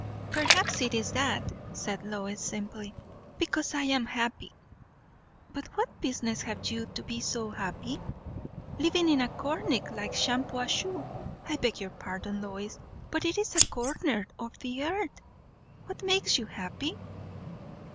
"Perhaps it is that," said Lois simply. "Because I am happy." "But what business have you to be so happy? living in a corner like Shampuashuh. I beg your pardon, Lois, but it is a corner of the earth. What makes you happy?"